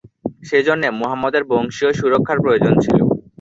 সেজন্যে মুহাম্মাদের বংশীয় সুরক্ষার প্রয়োজন ছিলো।